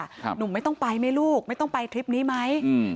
หนุ่มไม่ต้องไปไหมลูกไม่ต้องไปทริปนี้ไหมอืม